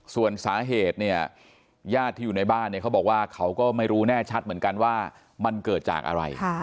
ส่วนสาเหตุเนี่ยญาติที่อยู่ในบ้านเนี่ยเขาบอกว่าเขาก็ไม่รู้แน่ชัดเหมือนกันว่ามันเกิดจากอะไร